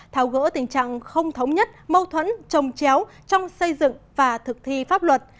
tháo gỡ tình trạng không thống nhất mâu thuẫn trồng chéo trong xây dựng và thực thi pháp luật